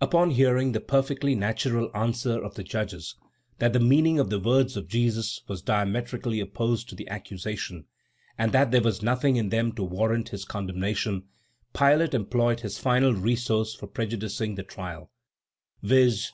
Upon hearing the perfectly natural answer of the judges, that the meaning of the words of Jesus was diametrically opposed to the accusation, and that there was nothing in them to warrant his condemnation, Pilate employed his final resource for prejudicing the trial, viz.